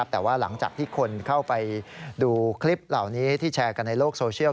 แต่ว่าหลังจากที่คนเข้าไปดูคลิปเหล่านี้ที่แชร์กันในโลกโซเชียล